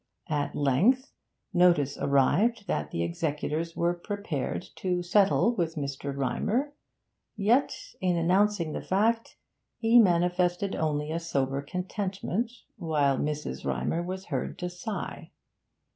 At length notice arrived that the executors were prepared to settle with Mr. Rymer; yet, in announcing the fact, he manifested only a sober contentment, while Mrs. Rymer was heard to sigh.